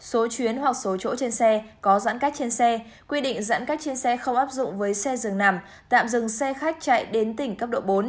số chuyến hoặc số chỗ trên xe có giãn cách trên xe quy định giãn cách trên xe không áp dụng với xe dường nằm tạm dừng xe khách chạy đến tỉnh cấp độ bốn